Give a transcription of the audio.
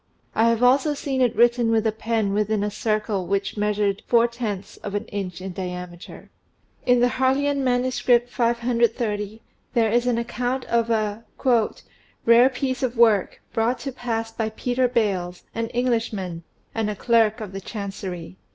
I have also seen it written with a pen within a circle which measured four tenths of an inch in diameter. In the Harleian manuscript, 530, there is an account of a "rare piece of work, brought to pass by Peter Bales, an Englishman, and a clerk of the chancery."